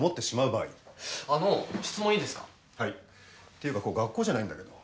っていうかここ学校じゃないんだけど。